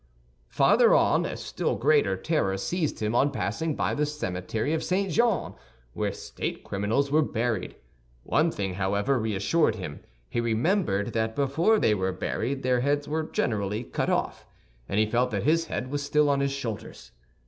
Farther on, a still greater terror seized him on passing by the cemetery of St. Jean, where state criminals were buried. One thing, however, reassured him; he remembered that before they were buried their heads were generally cut off, and he felt that his head was still on his shoulders.